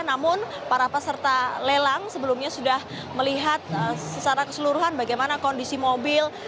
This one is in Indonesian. namun para peserta lelang sebelumnya sudah melihat secara keseluruhan bagaimana kondisi mobil